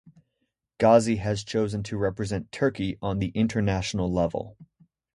Gazi has chosen to represent Turkey on the international level.